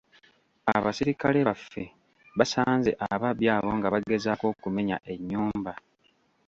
Abasirikale baffe basanze ababbi abo nga bagezaako okumenya ennyumba.